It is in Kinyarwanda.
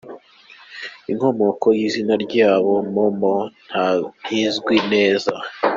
Inkomoko y’izina ryabo, Mau Mau, ntizwi neza.